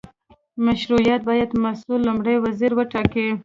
مشروطیت باید مسوول لومړی وزیر وټاکي.